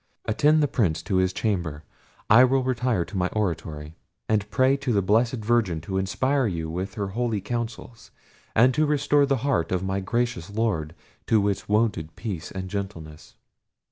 Attend the Prince to his chamber. I will retire to my oratory, and pray to the blessed Virgin to inspire you with her holy counsels, and to restore the heart of my gracious Lord to its wonted peace and gentleness."